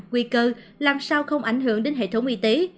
nguy cơ làm sao không ảnh hưởng đến hệ thống y tế